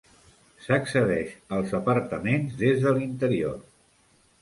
S'accedeix als apartaments des de l'interior.